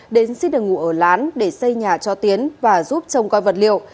đến xích đường ngủ ở lán để xây nhà cho tiến và giúp trồng coi vật liệu